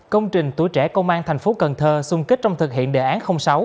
công trình tủi trẻ công an tp hcm xung kích trong thực hiện đề án sáu